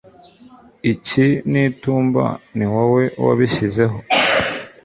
icyi n'itumba, ni wowe wabishyizeho